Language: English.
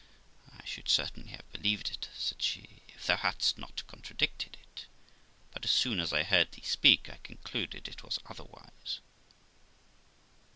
I should certainly have believed it', said she, if thou hadst not contradicted it; but as soon as I heard thee speak, I concluded it was otherwise.'